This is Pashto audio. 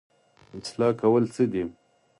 اصلاح کول څه دي؟